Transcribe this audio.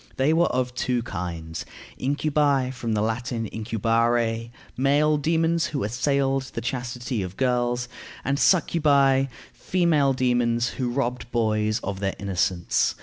They were of two kinds: incubi, from the Latin incubare, male demons who assailed the chastity of girls; and succubæ, female demons who robbed boys of their innocence.